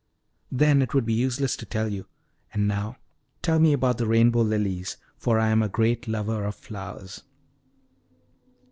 "Then it would be useless to tell you. And now tell me about the rainbow lilies, for I am a great lover of flowers."